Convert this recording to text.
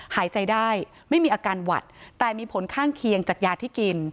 หายใจได้ไม่มีอาการหวัดแต่มีผลข้างเคียงจากยาที่กิน